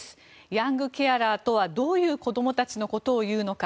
ヤングケアラーとはどういう子どもたちのことを言うのか。